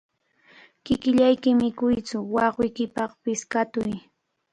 Kikillayki mikuytsu, wawqiykipaqpish katuy.